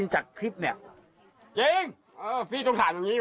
พูดเหมือนเดิมคือพูดอะไร